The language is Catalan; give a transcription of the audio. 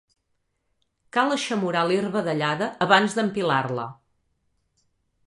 Cal eixamorar l'herba dallada abans d'empilar-la.